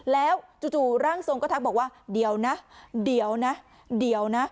แล้วจู่ร่างทรงก็ทักบอกว่าเดี๋ยวนะเดี๋ยวนะเดี๋ยวนะ